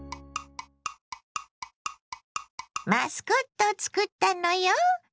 マスコットを作ったのよ。